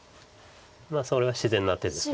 それは自然な手です。